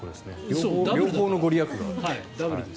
両方のご利益がある。